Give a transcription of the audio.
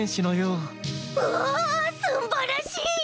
うおすんばらしい！